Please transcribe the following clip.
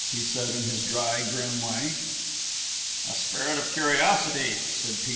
he said, in his dry, grim way. "A spirit of curiosity," said T.